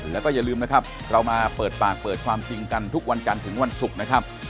แล้วก็อย่าลืมนะครับเรามาเปิดปากเปิดความจริงกันทุกวันจันทร์ถึงวันศุกร์นะครับ